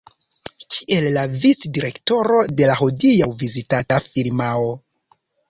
Kiel la vicdirektoro de la hodiaŭ vizitita firmao.